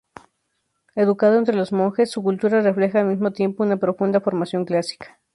Educado entre los monjes, su cultura refleja al mismo tiempo una profunda formación clásica.